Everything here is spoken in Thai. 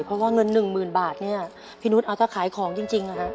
เพราะว่าเงิน๑หมื่นบาทเนี่ยพี่นุษย์เอาแต่ขายของจริงค่ะ